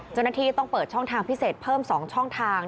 เจ้าหน้าที่ต้องเปิดช่องทางพิเศษเพิ่ม๒ช่องทาง